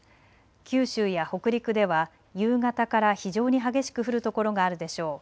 九州や北陸では夕方から非常に激しく降る所があるでしょう。